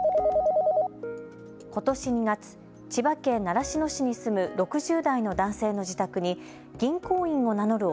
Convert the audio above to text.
ことし２月、千葉県習志野市に住む６０代の男性の自宅に銀行員を名乗る